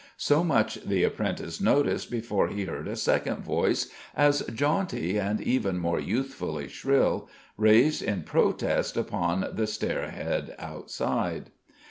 So much the apprentice noted before he heard a second voice, as jaunty and even more youthfully shrill, raised in protest upon the stairhead outside.